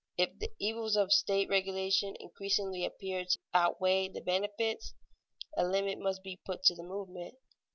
If the evils of state regulation increasingly appear to outweigh the benefits, a limit must be put to the movement.